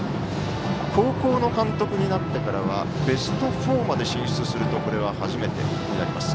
高校の監督になってからはベスト４まで進出すると初めてになります。